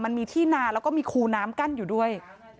มันมีที่นาแล้วก็มีคูน้ำกั้นอยู่ด้วย